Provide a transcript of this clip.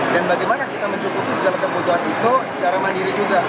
dan bagaimana kita mencukupi segala kebutuhan itu secara mandiri juga